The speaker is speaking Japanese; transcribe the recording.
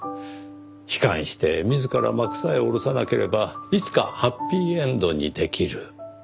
悲観して自ら幕さえ下ろさなければいつかハッピーエンドにできる。